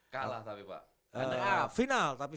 kalah tapi pak